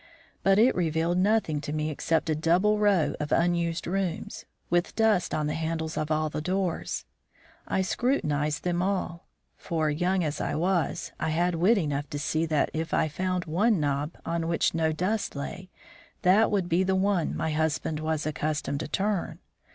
But it revealed nothing to me except a double row of unused rooms, with dust on the handles of all the doors. I scrutinized them all; for, young as I was, I had wit enough to see that if I could find one knob on which no dust lay that would be the one my husband was accustomed to turn.